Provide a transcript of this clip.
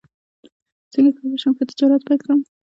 څنګه کولی شم ښه تجارت پیل کړم